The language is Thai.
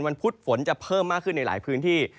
พุธฝนจะเพิ่มมากขึ้นในหลายพื้นที่